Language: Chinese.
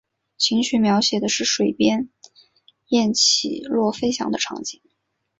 琴曲描写的是水边雁起落飞翔的场景。